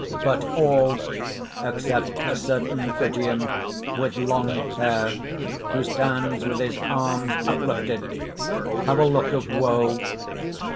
_ _But all except a certain Phrygian, with long hair, who stands with his arms uplifted have a look of woe.